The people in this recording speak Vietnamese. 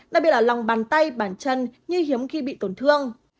đặc biệt là lòng bàn tay bàn chân như hiếm khi bị tổn thương